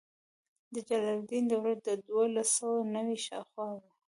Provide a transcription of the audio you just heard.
د جلال الدین دوره د دولس سوه نوي شاوخوا وه.